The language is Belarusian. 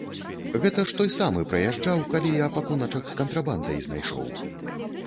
Гэта ж той самы праязджаў, калі я пакуначак з кантрабандай знайшоў.